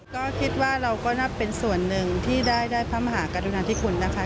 ก็คิดว่าเราก็น่าเป็นส่วนหนึ่งที่ได้พระมหากรุณาธิคุณนะคะ